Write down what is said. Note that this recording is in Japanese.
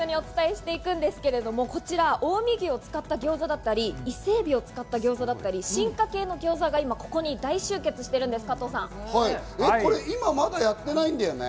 今日はそんなロッチのお二人とお伝えしていくんですけれども、こちら近江牛を使ったギョーザだったり、伊勢海老を使ったギョーザだったり進化系のギョーザが今ここに大集結しているんです。